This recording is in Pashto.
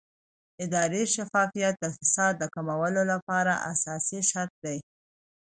اداري شفافیت د فساد د کمولو لپاره اساسي شرط دی